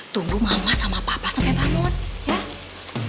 tumbuh mama sama papa sampai bangun